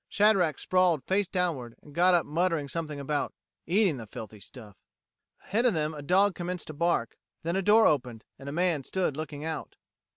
Shadrack sprawled face downward, and got up muttering something about "eating the filthy stuff." Ahead of them a dog commenced to bark; then a door opened, and a man stood looking out.